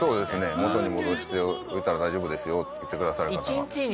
元に戻しておいたら大丈夫ですよって言ってくださる方が。